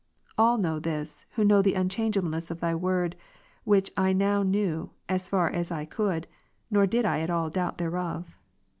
All know this, who know the unchangeableness of Thy Word, which I now knew, as far as I could, nor did I at all doubt thereof.